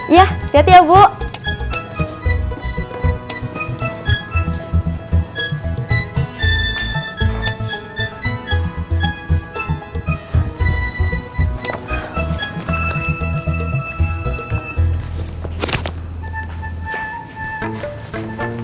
iya tiap tiap bu